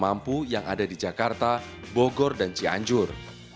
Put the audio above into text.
mampu yang ada di jakarta bogor dan cianjur